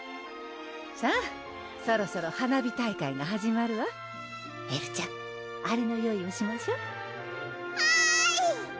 さぁそろそろ花火大会が始まるわエルちゃんあれの用意をしましょはい！